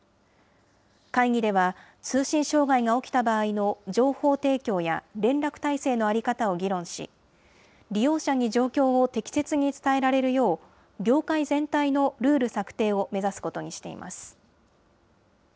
会議では、通信障害が起きた場合の情報提供や連絡体制の在り方を議論し、利用者に状況を適切に伝えられるよう、業界全体のルール策定を目指すことにしています。